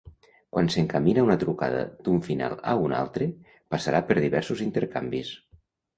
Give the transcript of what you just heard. Quan s'encamina una trucada d'un final a un altre, passarà per diversos intercanvis.